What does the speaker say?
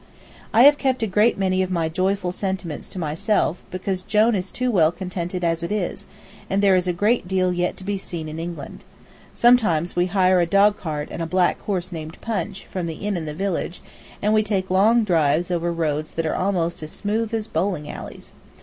I have kept a great many of my joyful sentiments to myself, because Jone is too well contented as it is, and there is a great deal yet to be seen in England. Sometimes we hire a dogcart and a black horse named Punch, from the inn in the village, and we take long drives over roads that are almost as smooth as bowling alleys.